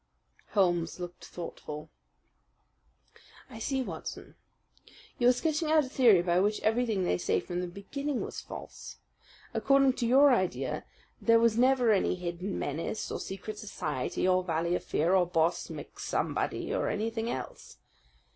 Holmes looked thoughtful. "I see, Watson. You are sketching out a theory by which everything they say from the beginning is false. According to your idea, there was never any hidden menace, or secret society, or Valley of Fear, or Boss MacSomebody, or anything else.